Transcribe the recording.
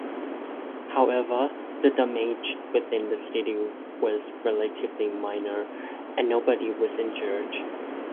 However, the damage within the city was relatively minor, and nobody was injured.